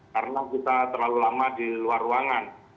karena kita terlalu lama di luar ruangan